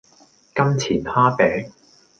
金錢蝦餅